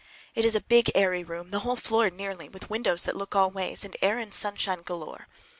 It is a big, airy room, the whole floor nearly, with windows that look all ways, and air and sunshine galore.